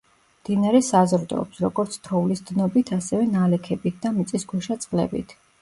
მდინარე საზრდოობს, როგორც თოვლის დნობით, ასევე ნალექებით და მიწისქვეშა წყლებით.